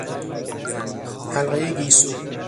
حلقهی گیسو